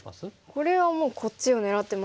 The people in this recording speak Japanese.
これはもうこっちを狙ってますよね。